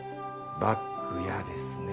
バッグやですね